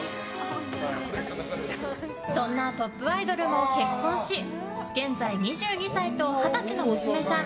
そんなトップアイドルも結婚し現在２２歳と２０歳の娘さん